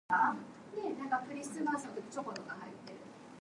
Ma and Zhao initially entered Yi Province at Guanghan commandery.